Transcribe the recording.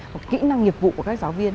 một kĩ năng nghiệp vụ của các giáo viên